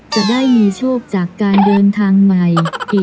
จะได้มีโชคจากการเดินทางใหม่